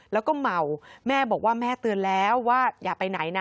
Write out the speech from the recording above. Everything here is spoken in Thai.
แล้วก็เมาแม่บอกว่าแม่เตือนแล้วว่าอย่าไปไหนนะ